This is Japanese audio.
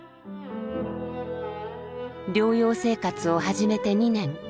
療養生活を始めて２年。